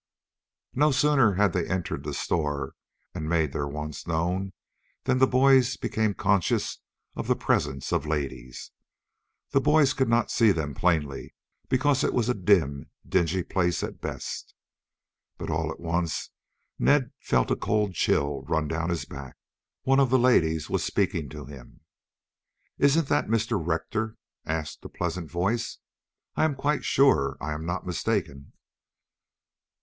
No sooner had they entered the store and made their wants known, than the boys became conscious of the presence of ladies. The boys could not see them plainly, because it was a dim, dingy place at best. But, all at once Ned felt a cold chill run down his back. One of the ladies was speaking to him. "Isn't this Mr. Rector?" asked a pleasant voice. "I am quite sure I am not mistaken."